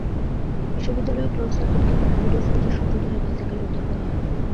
বিশ্ববিদ্যালয়ের closed circuit ক্যামেরার video ফুটেজের সূত্র ধরেই বাইসাইকেলটি উদ্ধার করা হয়।